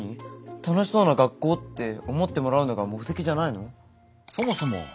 楽しそうな学校って思ってもらうのが目的じゃないの？